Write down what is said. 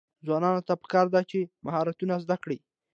ځوانانو ته پکار ده چې، مهارتونه زده کړي.